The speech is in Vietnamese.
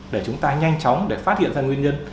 để chúng ta nhanh chóng để phát hiện ra nguyên nhân